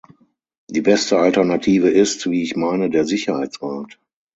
Die beste Alternative ist, wie ich meine, der Sicherheitsrat.